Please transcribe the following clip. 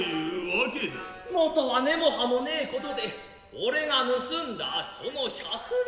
元は根も葉もねえことで己が盗んだその百両。